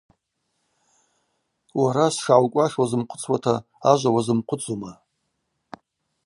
Уара сшгӏаукӏуаш уазымхъвыцуата ажва уазымхъвыцума.